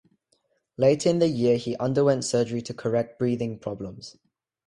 Later in the year he underwent surgery to correct breathing problems.